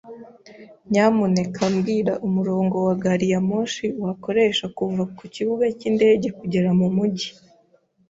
Nyamuneka mbwira umurongo wa gari ya moshi wakoresha kuva ku kibuga cyindege kugera mu mujyi.